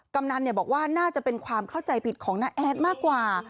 กำนันบอกว่าน่าจะเป็นความเข้าใจผิดของน้าแอดมากกว่า